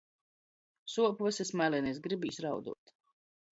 Suop vysys malenis, gribīs rauduot.